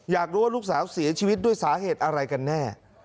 อยากรู้ว่าลูกสาวเสียชีวิตด้วยสาเหตุอะไรกันแน่